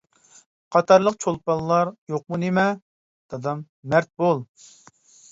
قاتارلىق چولپانلار يوقمۇ نېمە؟ دادام: مەرد بول!